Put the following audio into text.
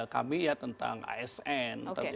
kami ya tentang asn